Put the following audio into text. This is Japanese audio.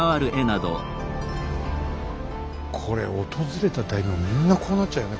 これ訪れた大名はみんなこうなっちゃうよね。